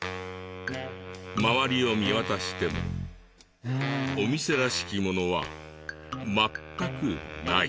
周りを見渡してもお店らしきものは全くない。